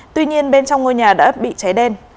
tuy nhiên bên trong ngôi nhà đã bị cháy đen